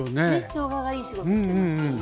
しょうががいい仕事してますよね。